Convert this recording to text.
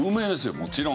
もちろん。